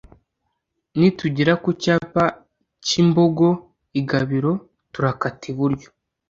Nitugera ku cyapa k'imbogo i Gabiro turakata iburyo,